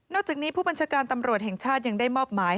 และผลเอกพระยุจรรย์โอชานายกรัฐมนตรีฝ่ายความไม่ประมาทค่ะ